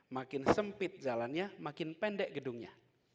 makin sempit jalannya makin pendek gedungnya